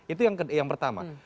itu yang pertama